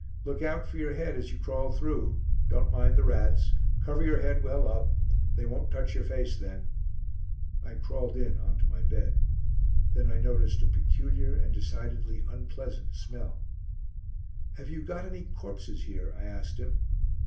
Look out for your head as you crawl through. Don't mind the rats. Cover your head well up. They won't touch your face then." I crawled in on to my bed. Then I noticed a peculiar and decidedly unpleasant smell. "Have you got any corpses here?" I asked him.